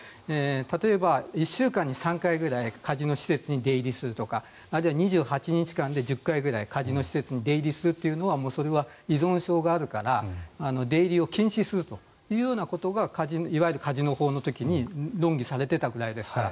例えば、１週間に３回ぐらいカジノ施設に出入りするとかあるいは２８日間で１０回ぐらいカジノ施設に出入りするというのはそれは依存症があるから出入りを禁止するというようなことがいわゆるカジノ法の時に論議されていたぐらいですから。